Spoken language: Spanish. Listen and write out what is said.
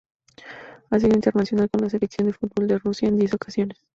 Ha sido internacional con la selección de fútbol de Rusia en diez ocasiones.